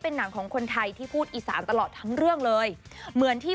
หนังของคนไทยที่พูดอีสานตลอดทั้งเรื่องเลยเหมือนที่